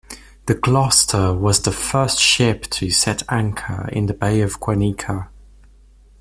The "Gloucester" was the first ship to set anchor in the Bay of Guanica.